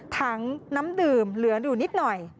ถังน้ำดื่มเหลืออยู่นิดหน่อย